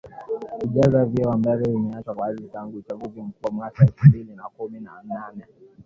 kujaza vyeo ambavyo vimeachwa wazi tangu uchaguzi mkuu wa mwaka elfu mbili na kumi na nane